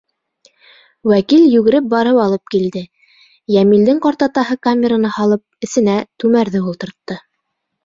Вәкил йүгереп барып алып килде, Йәмилдең ҡартатаһы камераны һалып, эсенә түмәрҙе ултыртты.